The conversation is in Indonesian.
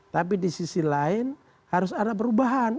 tapi di sisi lain harus ada perubahan